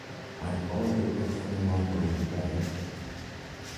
I borrowed a book from the library and read it.